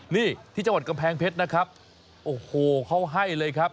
นี่ที่จังหวัดกำแพงเพชรนะครับโอ้โหเขาให้เลยครับ